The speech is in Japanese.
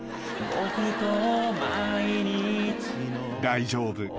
［大丈夫。